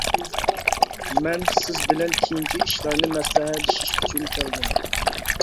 مەن سىز بىلەن كېيىنكى ئىشلارنى مەسلىھەتلىشىش ئۈچۈن كەلدىم.